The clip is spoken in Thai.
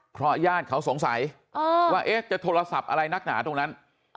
เพราะญาติเขาสงสัยว่าจะโทรศัพท์อะไรนักหนาตรงนั้น